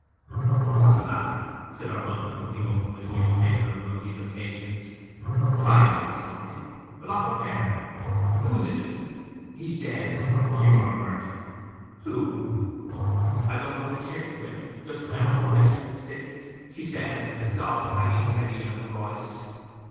'What's the matter?' said her husband, looking up from his newspaper on one of these occasions. 'Crying over something? A lock of hair? Whose is it?' 'He's dead!' she murmured. 'Who?' 'I don't want to tell you, Will, just now, unless you insist!' she said, a sob hanging heavy in her voice.